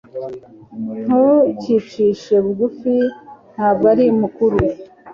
Ntukicishe bugufi, ntabwo uri mukuru.